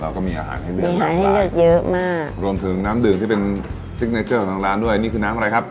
ก็มีอาหารให้เลือกใช้ให้เลือกเยอะมากรวมถึงน้ำดื่มที่เป็นซิกเนเจอร์ของทางร้านด้วยนี่คือน้ำอะไรครับ